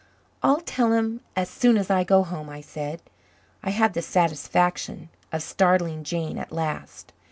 "I'll tell him as soon as I go home," I said. I had the satisfaction of startling Jane at last.